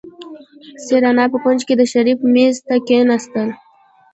سېرېنا په کونج کې د شريف مېز ته کېناستله.